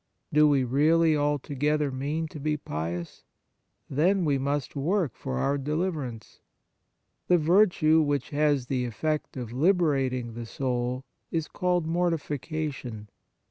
Do we really alto gether mean to be pious ? Then we must work for our deliverance. The virtue which has the effect of libera ting the soul is called mortification.